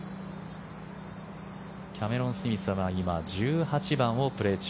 キャメロン・スミスは今、１８番をプレー中。